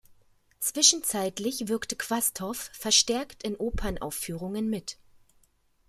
Zwischenzeitlich wirkte Quasthoff verstärkt in Opernaufführungen mit.